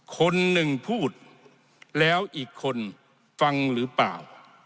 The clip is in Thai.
คนหนึ่งพูดแล้วอีกคนฟังหรือเปล่า